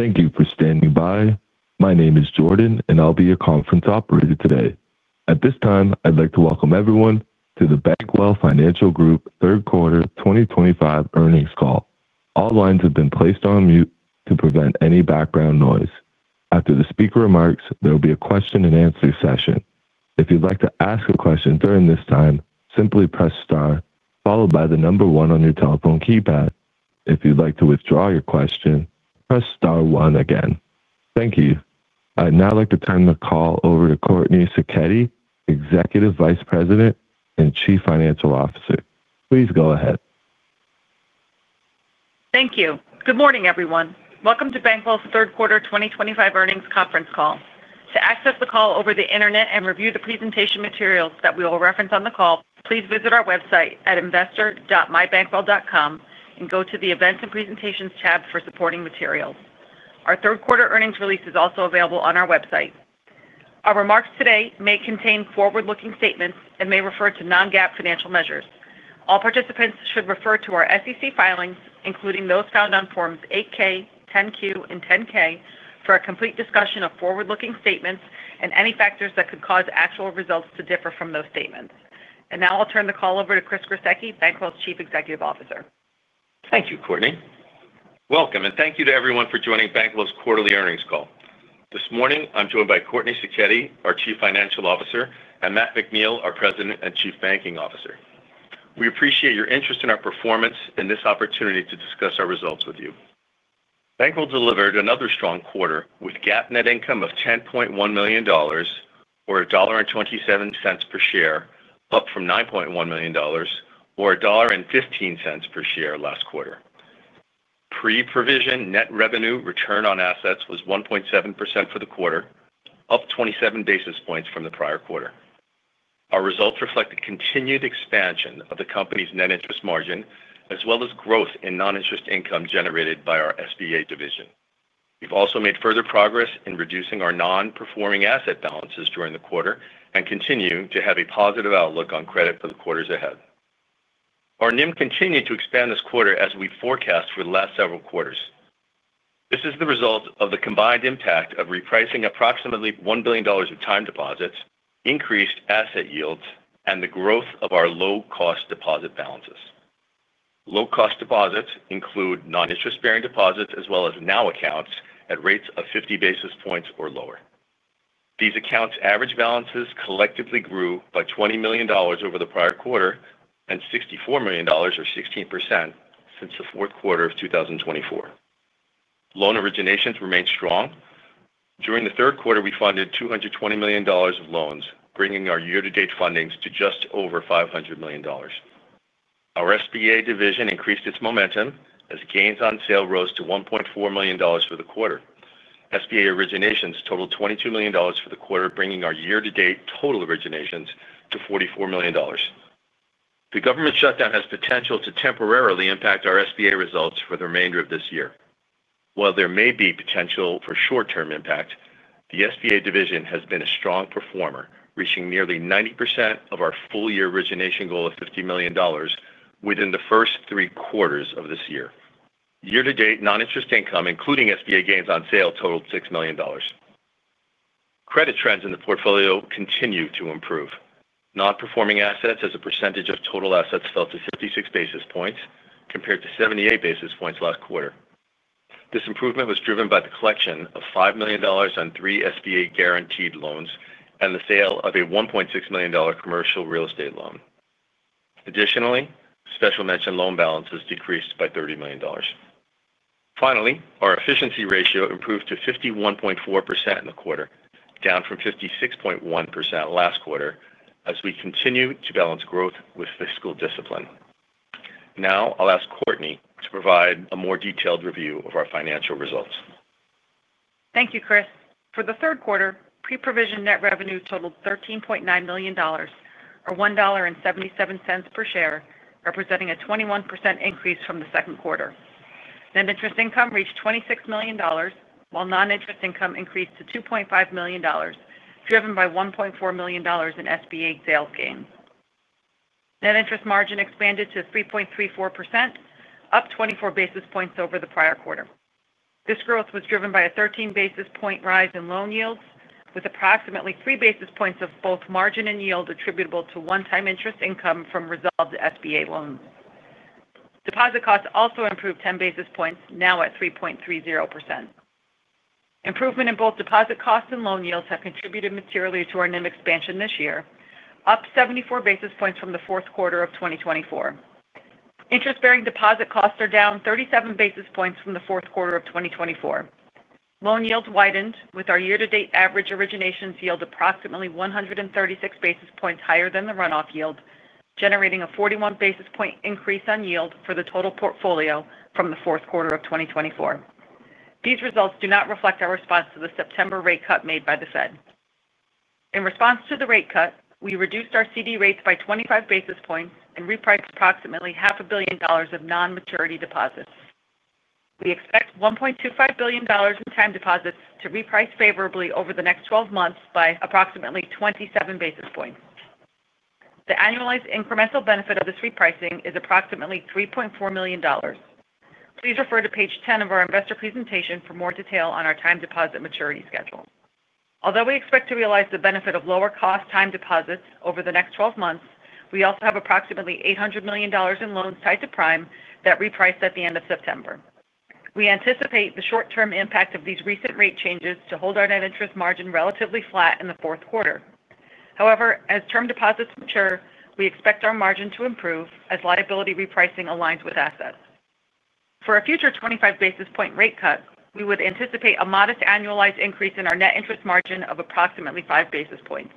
Thank you for standing by. My name is Jordan, and I'll be your conference operator today. At this time, I'd like to welcome everyone to the Bankwell Financial Group Third Quarter 2025 Earnings Call. All lines have been placed on mute to prevent any background noise. After the speaker remarks, there will be a question and answer session. If you'd like to ask a question during this time, simply press star, followed by the number one on your telephone keypad. If you'd like to withdraw your question, press star one again. Thank you. I'd now like to turn the call over to Courtney Sacchetti, Executive Vice President and Chief Financial Officer. Please go ahead. Thank you. Good morning, everyone. Welcome to Bankwell's Third Quarter 2025 Earnings Conference Call. To access the call over the internet and review the presentation materials that we will reference on the call, please visit our website at investor.mybankwell.com and go to the Events and Presentations tab for supporting materials. Our Third Quarter Earnings Release is also available on our website. Our remarks today may contain forward-looking statements and may refer to non-GAAP financial measures. All participants should refer to our SEC filings, including those found on Forms 8-K, 10-Q, and 10-K, for a complete discussion of forward-looking statements and any factors that could cause actual results to differ from those statements. I'll turn the call over to Chris Gruseke, Bankwell Financial Group's Chief Executive Officer. Thank you, Courtney. Welcome, and thank you to everyone for joining Bankwell's quarterly earnings call. This morning, I'm joined by Courtney Sacchetti, our Chief Financial Officer, and Matt McNeill, our President and Chief Banking Officer. We appreciate your interest in our performance and this opportunity to discuss our results with you. Bankwell delivered another strong quarter with GAAP net income of $10.1 million, or $1.27 per share, up from $9.1 million, or $1.15 per share last quarter. Pre-provision net revenue return on assets was 1.7% for the quarter, up 27 basis points from the prior quarter. Our results reflect the continued expansion of the company's net interest margin, as well as growth in non-interest income generated by our SBA division. We've also made further progress in reducing our non-performing asset balances during the quarter and continue to have a positive outlook on credit for the quarters ahead. Our NIM continued to expand this quarter as we forecast for the last several quarters. This is the result of the combined impact of repricing approximately $1 billion of time deposits, increased asset yields, and the growth of our low-cost deposit balances. Low-cost deposits include non-interest-bearing deposits as well as NOW accounts at rates of 50 basis points or lower. These accounts' average balances collectively grew by $20 million over the prior quarter and $64 million, or 16%, since the fourth quarter of 2024. Loan originations remained strong. During the third quarter, we funded $220 million of loans, bringing our year-to-date fundings to just over $500 million. Our SBA division increased its momentum as gains on sale rose to $1.4 million for the quarter. SBA originations totaled $22 million for the quarter, bringing our year-to-date total originations to $44 million. The government shutdown has potential to temporarily impact our SBA results for the remainder of this year. While there may be potential for short-term impact, the SBA division has been a strong performer, reaching nearly 90% of our full-year origination goal of $50 million within the first three quarters of this year. Year-to-date non-interest income, including SBA gains on sale, totaled $6 million. Credit trends in the portfolio continue to improve. Non-performing assets as a percentage of total assets fell to 56 basis points compared to 78 basis points last quarter. This improvement was driven by the collection of $5 million on three SBA guaranteed loans and the sale of a $1.6 million commercial real estate loan. Additionally, special mention loan balances decreased by $30 million. Finally, our efficiency ratio improved to 51.4% in the quarter, down from 56.1% last quarter, as we continue to balance growth with fiscal discipline. Now, I'll ask Courtney to provide a more detailed review of our financial results. Thank you, Chris. For the third quarter, pre-provision net revenue totaled $13.9 million, or $1.77 per share, representing a 21% increase from the second quarter. Net interest income reached $26 million, while non-interest income increased to $2.5 million, driven by $1.4 million in SBA sales gains. Net interest margin expanded to 3.34%, up 24 basis points over the prior quarter. This growth was driven by a 13 basis point rise in loan yields, with approximately three basis points of both margin and yield attributable to one-time interest income from resolved SBA loans. Deposit costs also improved 10 basis points, now at 3.30%. Improvement in both deposit costs and loan yields have contributed materially to our NIM expansion this year, up 74 basis points from the fourth quarter of 2024. Interest-bearing deposit costs are down 37 basis points from the fourth quarter of 2024. Loan yields widened, with our year-to-date average originations yield approximately 136 basis points higher than the runoff yield, generating a 41 basis point increase on yield for the total portfolio from the fourth quarter of 2024. These results do not reflect our response to the September rate cut made by the Fed. In response to the rate cut, we reduced our CD rates by 25 basis points and repriced approximately half a billion dollars of non-maturity deposits. We expect $1.25 billion in time deposits to reprice favorably over the next 12 months by approximately 27 basis points. The annualized incremental benefit of this repricing is approximately $3.4 million. Please refer to page 10 of our investor presentation for more detail on our time deposit maturity schedule. Although we expect to realize the benefit of lower cost time deposits over the next 12 months, we also have approximately $800 million in loans tied to prime that repriced at the end of September. We anticipate the short-term impact of these recent rate changes to hold our net interest margin relatively flat in the fourth quarter. However, as term deposits mature, we expect our margin to improve as liability repricing aligns with assets. For a future 25 basis point rate cut, we would anticipate a modest annualized increase in our net interest margin of approximately five basis points.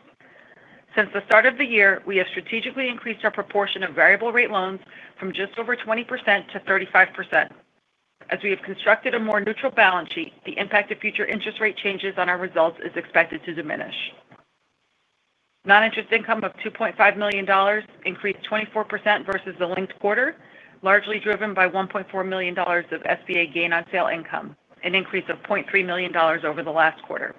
Since the start of the year, we have strategically increased our proportion of variable rate loans from just over 20% to 35%. As we have constructed a more neutral balance sheet, the impact of future interest rate changes on our results is expected to diminish. Non-interest income of $2.5 million increased 24% versus the linked quarter, largely driven by $1.4 million of SBA gain on sale income, an increase of $0.3 million over the last quarter.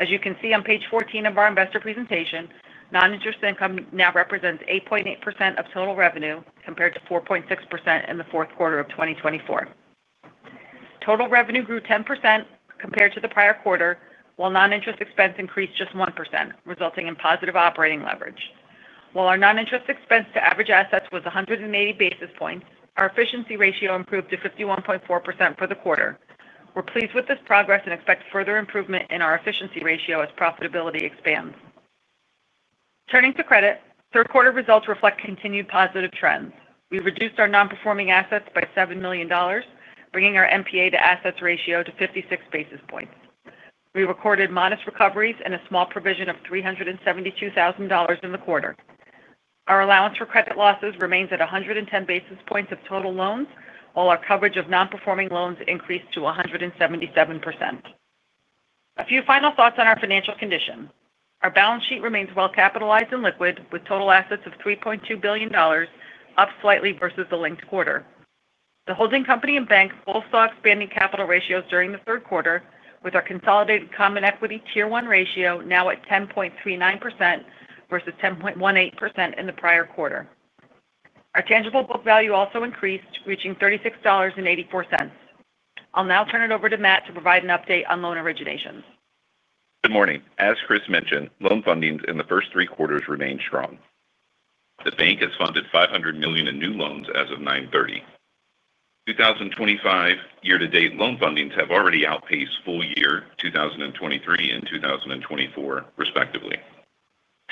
As you can see on page 14 of our investor presentation, non-interest income now represents 8.8% of total revenue compared to 4.6% in the fourth quarter of 2024. Total revenue grew 10% compared to the prior quarter, while non-interest expense increased just 1%, resulting in positive operating leverage. While our non-interest expense to average assets was 180 basis points, our efficiency ratio improved to 51.4% for the quarter. We're pleased with this progress and expect further improvement in our efficiency ratio as profitability expands. Turning to credit, third quarter results reflect continued positive trends. We reduced our non-performing assets by $7 million, bringing our NPA to assets ratio to 56 basis points. We recorded modest recoveries and a small provision of $372,000 in the quarter. Our allowance for credit losses remains at 110 basis points of total loans, while our coverage of non-performing loans increased to 177%. A few final thoughts on our financial condition. Our balance sheet remains well capitalized and liquid, with total assets of $3.2 billion, up slightly versus the linked quarter. The holding company and bank both saw expanding capital ratios during the third quarter, with our consolidated common equity tier one ratio now at 10.39% versus 10.18% in the prior quarter. Our tangible book value also increased, reaching $36.84. I'll now turn it over to Matt to provide an update on loan originations. Good morning. As Chris mentioned, loan fundings in the first three quarters remain strong. The bank has funded $500 million in new loans as of 9/30. 2025 year-to-date loan fundings have already outpaced full year 2023 and 2024, respectively.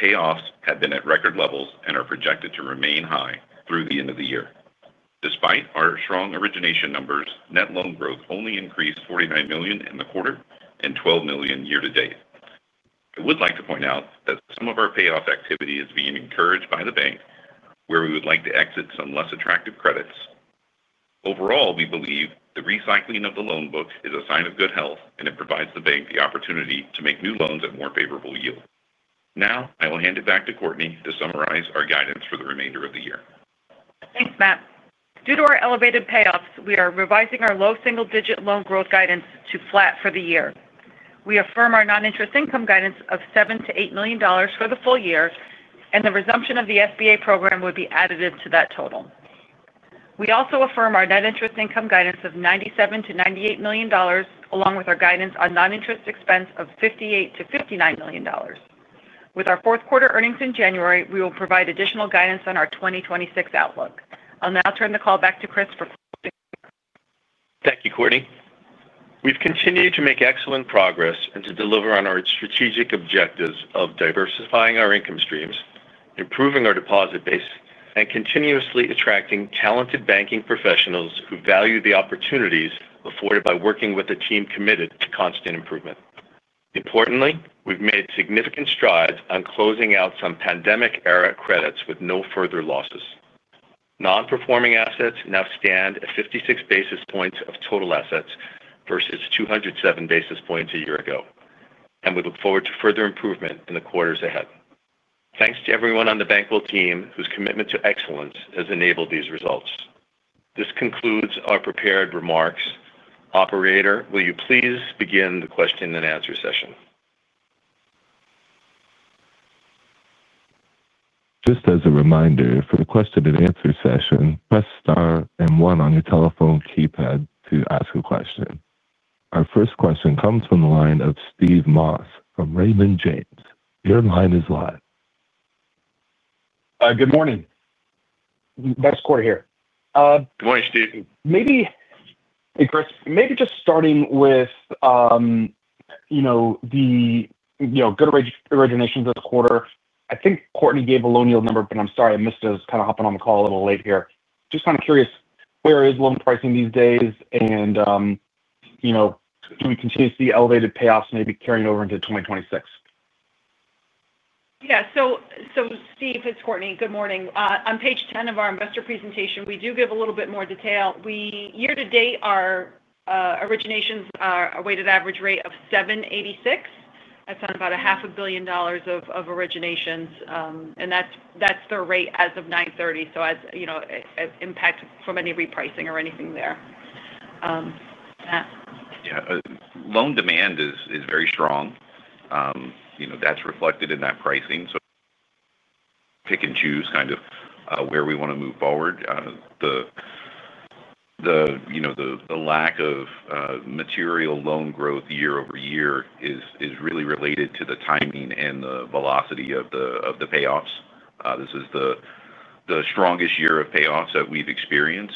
Payoffs have been at record levels and are projected to remain high through the end of the year. Despite our strong origination numbers, net loan growth only increased $49 million in the quarter and $12 million year-to-date. I would like to point out that some of our payoff activity is being encouraged by the bank, where we would like to exit some less attractive credits. Overall, we believe the recycling of the loan book is a sign of good health, and it provides the bank the opportunity to make new loans at more favorable yield. Now, I will hand it back to Courtney to summarize our guidance for the remainder of the year. Thanks, Matt. Due to our elevated payoffs, we are revising our low single-digit loan growth guidance to flat for the year. We affirm our non-interest income guidance of $7 million-$8 million for the full year, and the resumption of the SBA program would be additive to that total. We also affirm our net interest income guidance of $97 million-$98 million, along with our guidance on non-interest expense of $58 million-$59 million. With our fourth quarter earnings in January, we will provide additional guidance on our 2026 outlook. I'll now turn the call back to Chris for closing. Thank you, Courtney. We've continued to make excellent progress and to deliver on our strategic objectives of diversifying our income streams, improving our deposit base, and continuously attracting talented banking professionals who value the opportunities afforded by working with a team committed to constant improvement. Importantly, we've made significant strides on closing out some pandemic-era credits with no further losses. Non-performing assets now stand at 56 basis points of total assets versus 207 basis points a year ago, and we look forward to further improvement in the quarters ahead. Thanks to everyone on the Bankwell team whose commitment to excellence has enabled these results. This concludes our prepared remarks. Operator, will you please begin the question and answer session? Just as a reminder, for the question and answer session, press star and one on your telephone keypad to ask a question. Our first question comes from the line of Steve Moss from Raymond James. Your line is live. Good morning. Next quarter here. Good morning, Steve. Hey Chris, maybe just starting with the good originations of the quarter. I think Courtney gave a low yield number, but I'm sorry, I missed it. I was kind of hopping on the call a little late here. Just kind of curious, where is loan pricing these days? Do we continue to see elevated payoffs maybe carrying over into 2026? Steve, it's Courtney. Good morning. On page 10 of our investor presentation, we do give a little bit more detail. Year-to-date, our originations are a weighted average rate of 7.86%. That's on about $500 million of originations, and that's the rate as of 09/30. As you know, an impact from any repricing or anything there. Yeah. Loan demand is very strong. You know, that's reflected in that pricing. We pick and choose kind of where we want to move forward. The lack of material loan growth year-over-year is really related to the timing and the velocity of the payoffs. This is the strongest year of payoffs that we've experienced.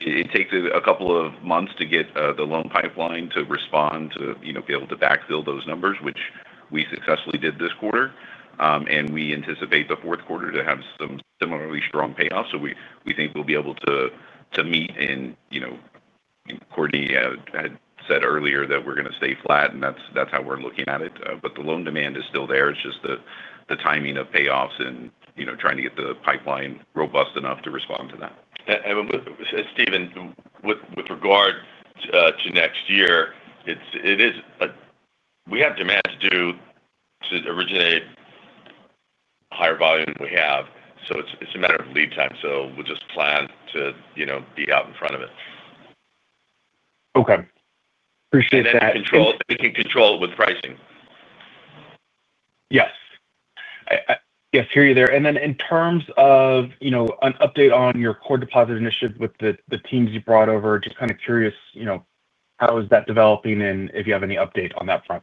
It takes a couple of months to get the loan pipeline to respond to, you know, be able to backfill those numbers, which we successfully did this quarter. We anticipate the fourth quarter to have some similarly strong payoffs. We think we'll be able to meet. You know, Courtney had said earlier that we're going to stay flat, and that's how we're looking at it. The loan demand is still there. It's just the timing of payoffs and trying to get the pipeline robust enough to respond to that. Steven, with regard to next year, we have demand to originate a higher volume than we have. It's a matter of lead time. We'll just plan to be out in front of it. Okay, appreciate that. We can control it with pricing. Yes, hear you there. In terms of an update on your core deposit initiative with the teams you brought over, just kind of curious, how is that developing and if you have any update on that front?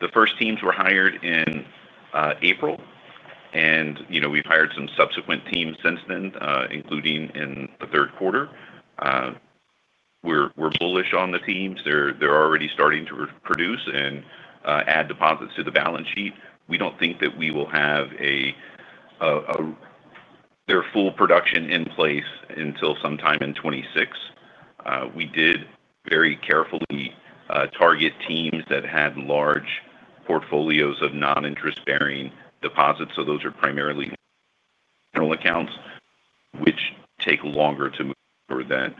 The first teams were hired in April, and we've hired some subsequent teams since then, including in the third quarter. We're bullish on the teams. They're already starting to produce and add deposits to the balance sheet. We don't think that we will have their full production in place until sometime in 2026. We did very carefully target teams that had large portfolios of non-interest-bearing deposits. Those are primarily general accounts, which take longer to move over than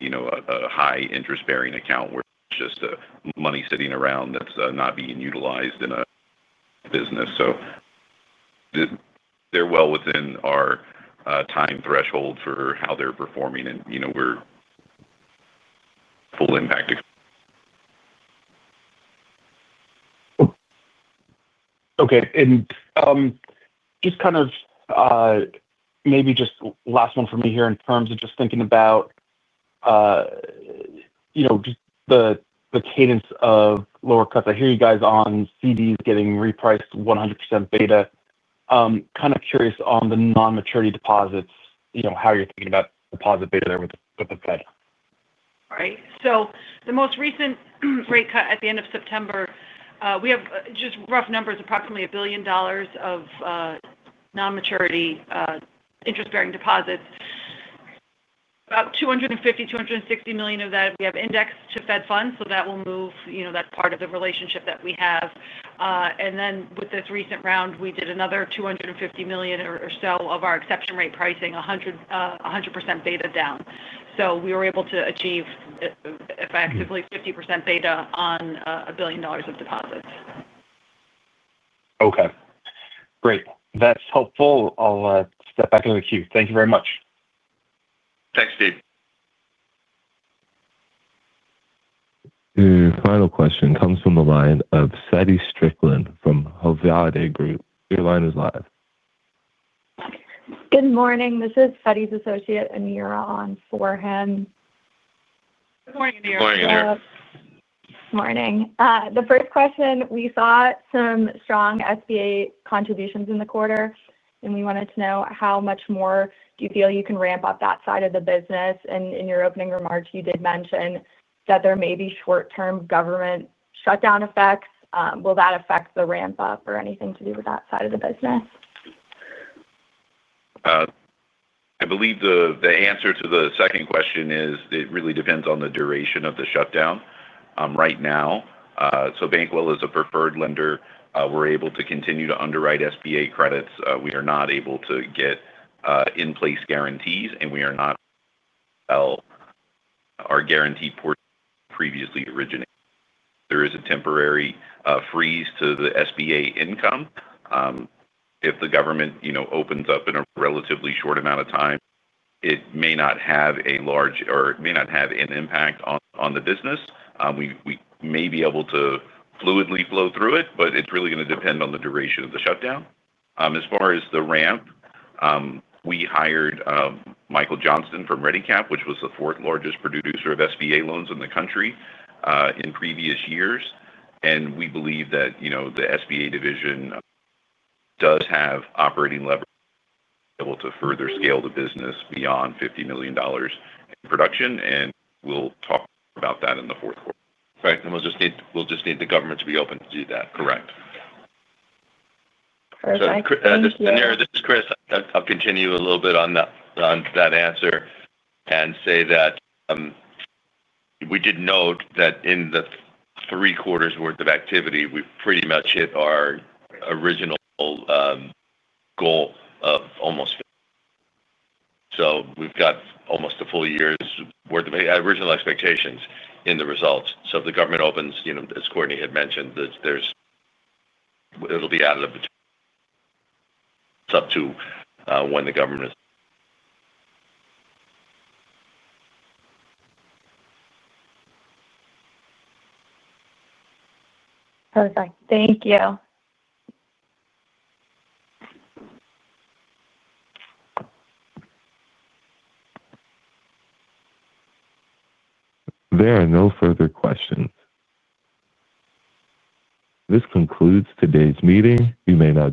a high interest-bearing account where it's just money sitting around that's not being utilized in a business. They're well within our time threshold for how they're performing, and we're full impact. Okay. Maybe just last one for me here in terms of just thinking about the cadence of lower cuts. I hear you guys on CDs getting repriced 100% beta. Kind of curious on the non-maturity deposits, how you're thinking about deposit beta there with. All right. The most recent rate cut at the end of September, we have just rough numbers, approximately $1 billion of non-maturity interest-bearing deposits. About $250 million, $260 million of that we have indexed to Fed funds. That will move, you know, that's part of the relationship that we have. With this recent round, we did another $250 million or so of our exception rate pricing, 100% beta down. We were able to achieve effectively 50% beta on $1 billion of deposits. Okay. Great. That's helpful. I'll step back into the queue. Thank you very much. Thanks, Steve. The final question comes from the line of Feddie Strickland from Hovde Group. Your line is live. Good morning. This is Feddie's associate Anira on for him. Good morning, Anira. Good morning, Anira. Morning. The first question, we saw some strong SBA contributions in the quarter, and we wanted to know how much more do you feel you can ramp up that side of the business? In your opening remarks, you did mention that there may be short-term government shutdown effects. Will that affect the ramp-up or anything to do with that side of the business? I believe the answer to the second question is it really depends on the duration of the shutdown. Right now, Bankwell is a preferred lender. We're able to continue to underwrite SBA credits. We are not able to get in-place guarantees, and we are not able to sell our guaranteed portion previously originated. There is a temporary freeze to the SBA income. If the government opens up in a relatively short amount of time, it may not have a large or it may not have an impact on the business. We may be able to fluidly flow through it, but it's really going to depend on the duration of the shutdown. As far as the ramp, we hired Michael Johnston from Ready Cap, which was the fourth largest producer of SBA loans in the country in previous years. We believe that the SBA division does have operating leverage to be able to further scale the business beyond $50 million in production. We'll talk about that in the fourth quarter. We just need the government to be open to do that. Correct. Perfect. This is Chris. I'll continue a little bit on that answer and say that we did note that in the three quarters' worth of activity, we pretty much hit our original goal of almost. We've got almost a full year's worth of original expectations in the results. If the government opens, you know, as Courtney had mentioned, it'll be out of the. It's up to when the government is. Perfect. Thank you. There are no further questions. This concludes today's meeting. You may now.